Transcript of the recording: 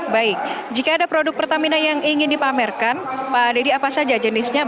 baik jika ada produk pertamina yang ingin dipamerkan pak dedy apa saja jenisnya